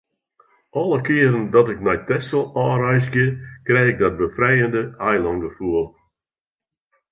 Alle kearen dat ik nei Texel ôfreizgje, krij ik dat befrijende eilângefoel.